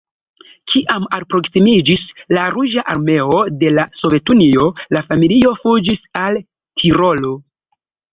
Kiam alproksimiĝis la Ruĝa Armeo de la Sovetunio, la familio fuĝis al Tirolo.